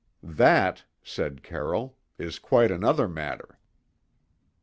"That," said Carroll, "is quite another matter."